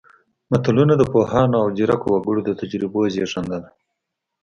متلونه د پوهانو او ځیرکو وګړو د تجربو زېږنده ده